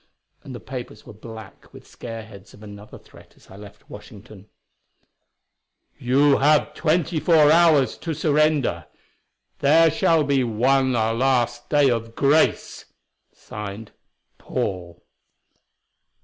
And the papers were black with scareheads of another threat as I left Washington: "You have twenty four hours to surrender. There shall be one last day of grace." Signed: "Paul."